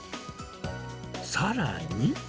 さらに。